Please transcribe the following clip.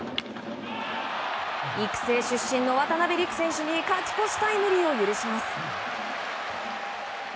育成出身の渡邉陸選手に勝ち越しタイムリーを許します。